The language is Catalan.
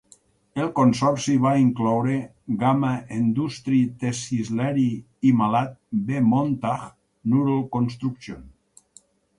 El consorci va incloure Gama Endustri Tesisleri Imalat ve Montaj, Nurol Construction.